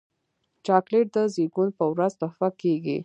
چاکلېټ د زیږون پر ورځ تحفه کېږي.